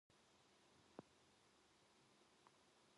작품? 작품이 다 무엇이외까?